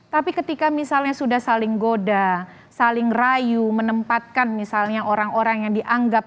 tapi ketika misalnya sudah saling goda saling rayu menempatkan misalnya orang orang yang dianggap